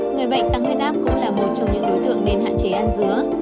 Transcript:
người bệnh tăng huyết áp cũng là một trong những đối tượng nên hạn chế ăn dứa